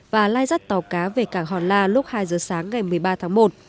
và lai dắt tàu cá về cảng hòn la lúc hai giờ sáng ngày một mươi ba tháng một